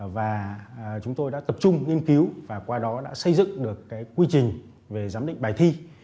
và chúng tôi đã tập trung nghiên cứu và qua đó đã xây dựng được quy trình về giám định bài thi